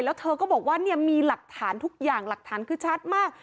แล้วเธอก็บอกว่าเนี่ยมีหลักฐานทุกอย่างหลักฐานคือชัดมาก